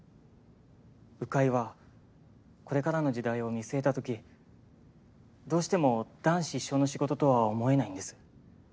鵜飼いはこれからの時代を見据えたときどうしても男子一生の仕事とは思えないんです。